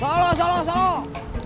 salah salah salah